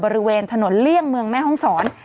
ทะนทรเมืองแม่ฮ่องศร